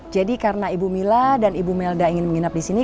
jadi karena ibu mila dan ibu melda ingin menginap di sini